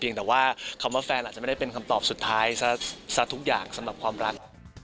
แต่ว่าคำว่าแฟนอาจจะไม่ได้เป็นคำตอบสุดท้ายซะทุกอย่างสำหรับความรัก